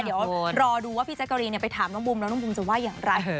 เดี๋ยวรอดูว่าพี่แจ๊กกะรีนไปถามน้องบุ๋มแล้วน้องบูมจะว่าอย่างไร